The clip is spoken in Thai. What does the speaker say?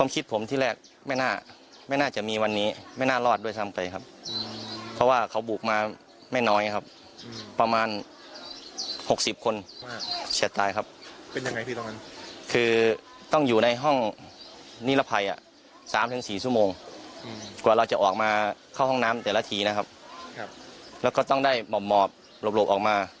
กว่าเราจะออกมาเข้าห้องน้ำแต่ละทีนะครับแล้วก็ต้องได้หมอบหลบออกมา